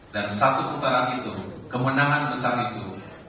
dan satu putaran itu kemenangan besar itu